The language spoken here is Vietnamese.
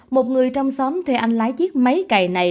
một người trong xóm thuê anh lái chiếc máy cày này